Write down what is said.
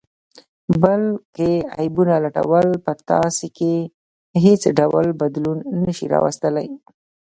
بل کې عیبونه لټول په تاسې کې حیڅ ډول بدلون نه شي راوستلئ